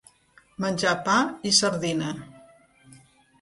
Menjar pa i sardina.